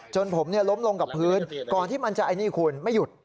จนผมล้มลงกับพื้นก่อนที่มันจะไอ้นี่คุณไม่หยุด